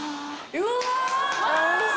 うわ！